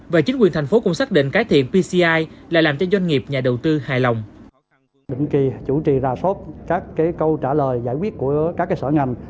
và chính quyền thành phố cũng xác định cải thiện pci là làm cho doanh nghiệp nhà đầu tư hài lòng